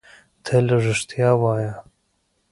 تل رېښتيا وايه